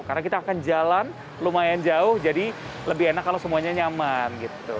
karena kita akan jalan lumayan jauh jadi lebih enak kalau semuanya nyaman